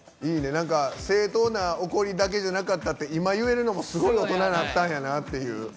正当な怒りだけじゃなかったって今言えるのもすごい大人になったんやなって。